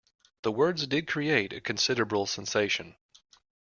The words did create a considerable sensation.